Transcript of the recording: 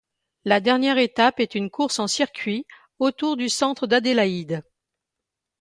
La dernière étape est une course en circuit autour du centre d'Adélaïde.